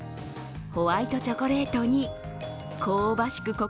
ホワイトチョコレートに香ばしく